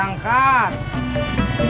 bang kopinya nanti aja ya